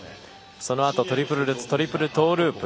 そのあとトリプルルッツトリプルトーループ